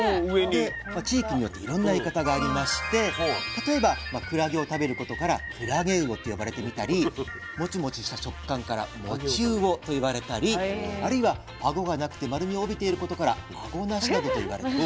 で地域によっていろんな言い方がありまして例えばクラゲを食べることからクラゲウオって呼ばれてみたりモチモチした食感からモチウオと言われたりあるいはアゴがなくて丸みをおびていることからアゴナシなどと言われたりします。